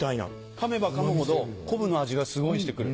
噛めば噛むほど昆布の味がすごいして来る。